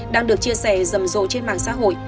đang được chia sẻ rầm rộ trên mạng xã hội